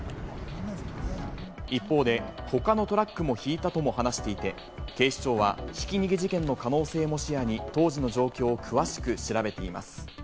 一方で他のトラックもひいたとも話していて、警視庁はひき逃げ事件の可能性も視野に当時の状況を詳しく調べています。